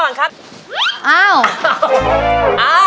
เรียกประกันแล้วยังคะ